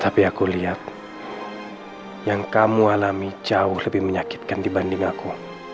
tapi aku lihat yang kamu alami jauh lebih menyakitkan dibanding aku